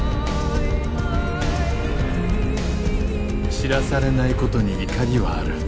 知らされないことに怒りはある。